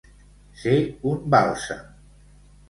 Ser un bàlsam.